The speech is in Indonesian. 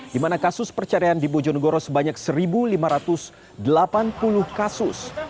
di mana kasus perceraian di bojonegoro sebanyak satu lima ratus delapan puluh kasus